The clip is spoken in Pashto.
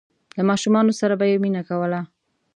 له ماشومانو سره به یې مینه کوله.